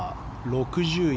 ６０位